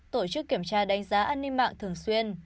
tổ chức kiểm tra đánh giá an ninh mạng thường xuyên